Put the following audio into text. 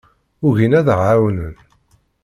Ugin ad aɣ-ɛawnen.